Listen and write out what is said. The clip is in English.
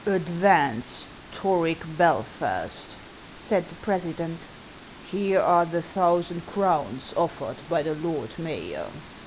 " Advance, Toric Belfast," said the president. " Here are the thousand crowns offered by the lord mayor."